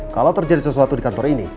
kalau terjadi sesuatu di kantor ini